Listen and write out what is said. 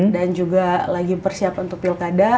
dan juga lagi persiap untuk pilkada